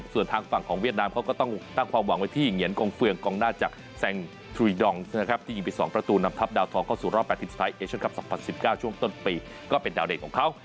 ส่วนทางฝั่งของเวียดนามเขาก็ต้องตั้งความหวังไว้ที่เหงียนกงเฟืองกองหน้าจากแซงทุรีดองนะครับที่ยิงไป๒ประตูนำทัพดาวทองเข้าสู่รอบ๘ทีมสุดท้ายเอเชียนคลับ๒๐๑๙ช่วงต้นปีก็เป็นดาวเด่นของเขา